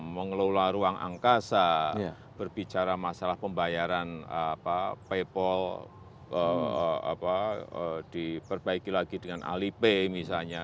mengelola ruang angkasa berbicara masalah pembayaran paypal diperbaiki lagi dengan alipay misalnya